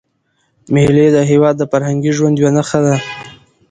مېلې د هېواد د فرهنګي ژوند یوه نخښه ده.